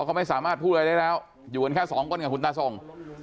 เขาไม่สามารถพูดอะไรได้แล้วอยู่กันแค่สองคนกับคุณตาส่ง